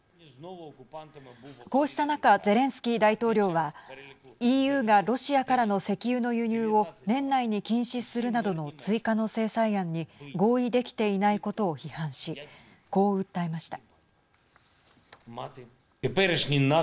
こうした中ゼレンスキー大統領はＥＵがロシアからの石油の輸入を年内に禁止するなどの追加の制裁案に合意できていないことを批判しこう訴えました。